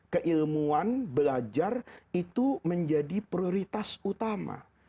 keilmuan belajar itu menjadi prioritas utama